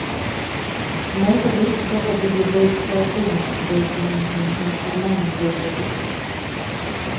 Можа быць, гэта будзе больш крэатыўна, больш у нейкім нефармальным выглядзе.